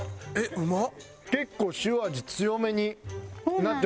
うまっ！